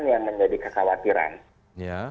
yang menjadi kekhawatiran